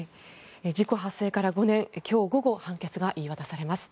事故発生から５年今日午後判決が言い渡されます。